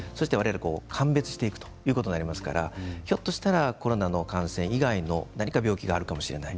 判別していくということもありますからひょっとしたらコロナの感染以外の何か病気があるかもしれない。